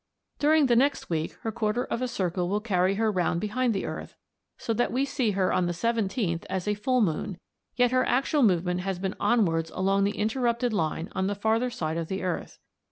During the next week her quarter of a circle will carry her round behind the earth, so that we see her on the 17th as a full moon, yet her actual movement has been onwards along the interrupted line on the farther side of the earth.